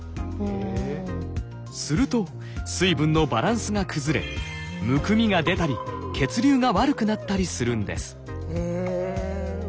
すると水分のバランスが崩れむくみが出たり血流が悪くなったりするんです。